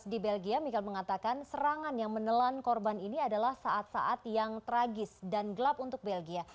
di belgia michael mengatakan serangan yang menelan korban ini adalah saat saat yang tragis dan gelap untuk belgia